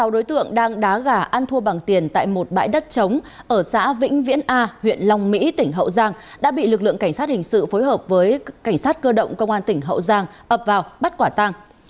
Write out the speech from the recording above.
sáu đối tượng đang đá gà ăn thua bằng tiền tại một bãi đất trống ở xã vĩnh viễn a huyện long mỹ tỉnh hậu giang đã bị lực lượng cảnh sát hình sự phối hợp với cảnh sát cơ động công an tỉnh hậu giang ập vào bắt quả tang